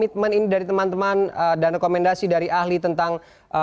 terima kasih pak